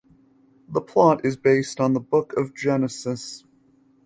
The plot is based on the Book of Genesis.